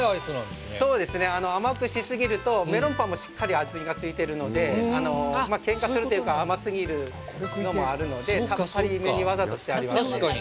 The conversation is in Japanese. そうですね、甘くしすぎるとメロンパンもしっかり味が付いてるのでけんかするというか甘すぎるのもあるのでさっぱりめにわざとしてありますね。